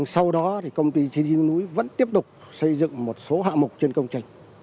sau đó công ty chiến binh núi vẫn tiếp tục xây dựng một số hạ mục trên công trình